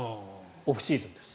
オフシーズンです。